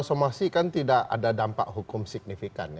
somasi kan tidak ada dampak hukum signifikan